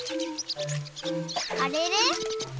あれれ？